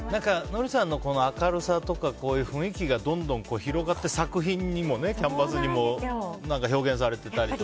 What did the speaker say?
ノリさんの明るさとか雰囲気がどんどん広がって作品にもキャンバスにも表現されてたりとか。